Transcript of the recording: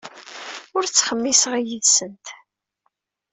Ur ttxemmiseɣ yid-sent.